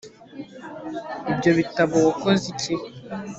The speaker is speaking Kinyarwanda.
ibyo bitabo wakoze iki